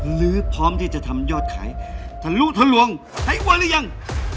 หรือพร้อมที่จะทำยอดขายทะลุทะลวงใช้วันหรือยัง